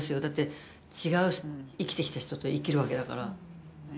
だって違う生きてきた人と生きるわけだから。